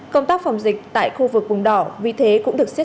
công tác phòng dịch tại khu vực vùng đỏ vì thế cũng được siết chặt hơn